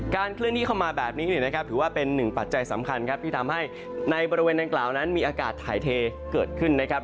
เคลื่อนที่เข้ามาแบบนี้เนี่ยนะครับถือว่าเป็นหนึ่งปัจจัยสำคัญครับที่ทำให้ในบริเวณดังกล่าวนั้นมีอากาศถ่ายเทเกิดขึ้นนะครับ